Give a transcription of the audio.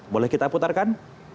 boleh kita putarkan